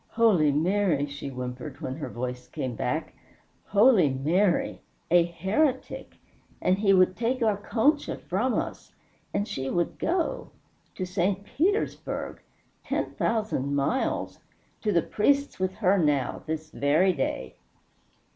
"Holy Mary!" she whimpered, when her voice came back. "Holy Mary! A heretic! And he would take our Concha from us! And she would go! To St. Petersburg! Ten thousand miles! To the priests with her now this very day!"